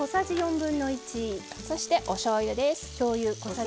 そしておしょうゆです。